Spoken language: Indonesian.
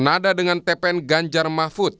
nada dengan tpn ganjar mahfud